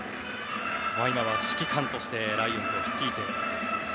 今は指揮官としてライオンズを率いて。